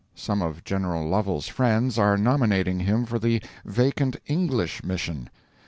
Some of General Lovel's friends are nominating him for the vacant English mission.